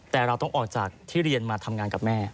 แต่เราต้องออกจากที่เรียนมาทำงานกับแม่